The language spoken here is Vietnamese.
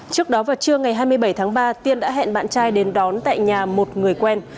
trước đó vào trưa ngày hai mươi bảy tháng ba tiên đã hẹn bạn trai đến đón tại nhà một người quen